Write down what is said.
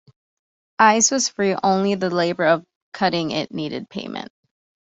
Ice was free, only the labor of cutting it needed payment.